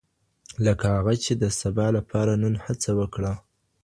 لکه هغې چې د سبا لپاره نن هڅه وکړه.